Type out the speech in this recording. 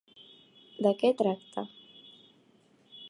De què tracta?